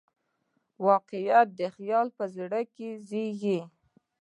واقعیت د خیال په زړه کې زېږي.